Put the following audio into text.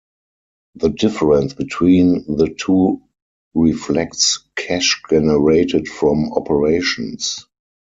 The difference between the two reflects cash generated from operations.